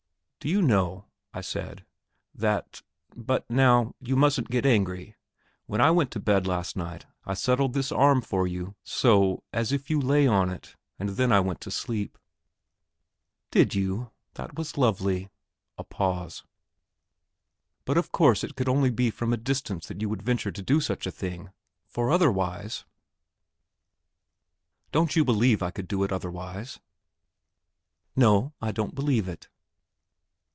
"Do you know," I said, "that ... but, now, you mustn't get angry when I went to bed last night I settled this arm for you ... so ... as if you lay on it ... and then I went to sleep." "Did you? That was lovely!" A pause. "But of course it could only be from a distance that you would venture to do such a thing, for otherwise...." "Don't you believe I could do it otherwise?" "No, I don't believe it."